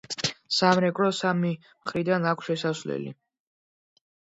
სამრეკლოს სამი მხრიდან აქვს შესასვლელი.